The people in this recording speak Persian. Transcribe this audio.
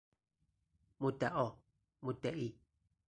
مدعا ـ مدعی